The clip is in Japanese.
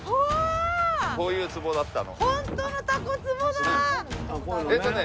こういうつぼだったの。